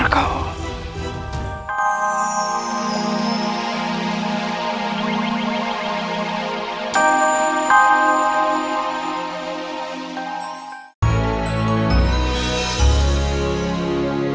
kurang ajar kau